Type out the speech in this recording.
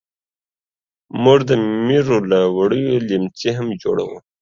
موږ د مېږو له وړیو لیمڅي هم جوړوو.